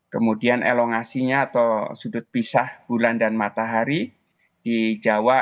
kemudian elongasinya atau sudut pisah bulan dan matahari di jawa